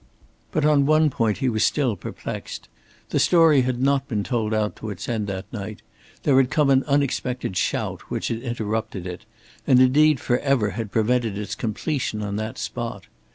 But on one point he was still perplexed. The story had not been told out to its end that night: there had come an unexpected shout, which had interrupted it, and indeed forever had prevented its completion on that spot.